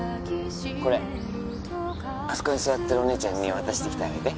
これあそこに座ってるお姉ちゃんに渡してきてあげて